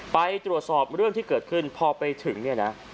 ไปตรวจสอบเรื่องที่เกิดขึ้นพอไปถึงเนี่ยนะ